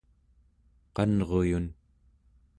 qanruyun